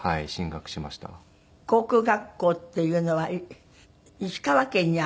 航空学校っていうのは石川県にある。